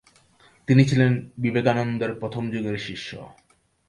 তিনি ছিলেন বিবেকানন্দের প্রথম যুগের শিষ্য।